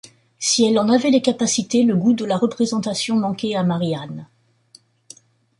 Si elle en avait les capacités, le goût de la représentation manquait à Marie-Anne.